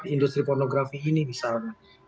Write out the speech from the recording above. industri pornografi ini misalnya